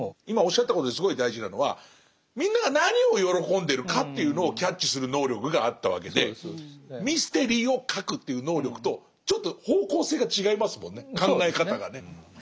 今おっしゃったことですごい大事なのはみんなが何を喜んでるかっていうのをキャッチする能力があったわけでミステリーを書くという能力とちょっと方向性が違いますもんね考え方がね。